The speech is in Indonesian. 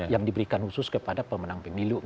yang diberikan khusus kepada pemenang pemilu